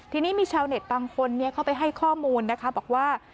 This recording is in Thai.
ทีนี้มีชาวเน็ตบางคนเข้าไปให้ข้อมูลนะคะบอกว่า